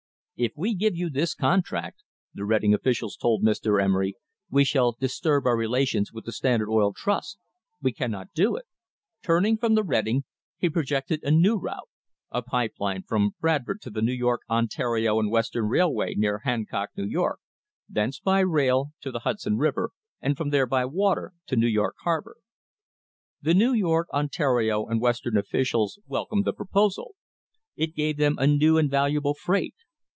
"If we give you this contract," the Reading officials told Mr. Emery, "we shall disturb our relations with the Standard Oil Trust. We cannot do it." Turning from the Reading, he projected a new route, a pipe line from Bradford to the New York, Ontario and Western Railway near Hancock, New York, thence by rail to the Hudson River, and from there by water to New York harbour. The New York, Ontario and Western officials wel comed the proposal. It gave them a new and valuable freight.